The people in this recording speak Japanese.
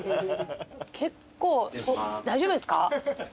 結構大丈夫ですか？